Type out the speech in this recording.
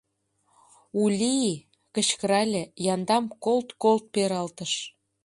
— Ули! — кычкырале, яндам колт-колт-колт пералтыш.